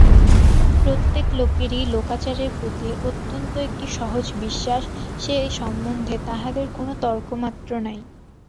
প্রত্যেক লোকেরই লোকাচারের প্রতি অত্যন্ত একটি সহজ বিশ্বাস–সে সম্বন্ধে তাহাদের কোনো তর্কমাত্র নাই।